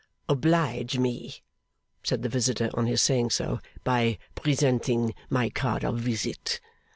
'Oblige me,' said the visitor, on his saying so, 'by presenting my card of visit.